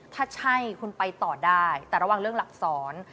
ถ้าใช่คุณไปต่อได้แต่ระวังเรื่องหลักศร